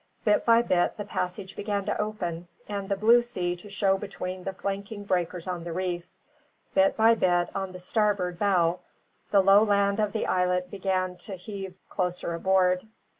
Bit by bit the passage began to open and the blue sea to show between the flanking breakers on the reef; bit by bit, on the starboard bow, the low land of the islet began to heave closer aboard.